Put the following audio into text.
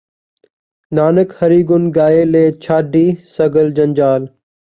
ਨਾਨਕ ਹਰਿ ਗੁਨ ਗਾਇ ਲੇ ਛਾਡਿ ਸਗਲ ਜੰਜਾਲ